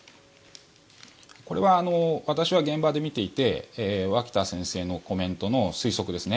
これは私は現場で見ていて脇田先生のコメントの推測ですね。